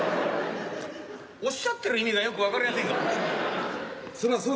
おっしゃってる意味がよく分かりやせんが。